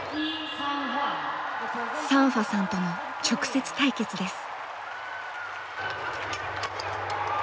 サンファさんとの直接対決です。